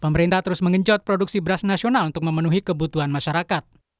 pemerintah terus mengenjot produksi beras nasional untuk memenuhi kebutuhan masyarakat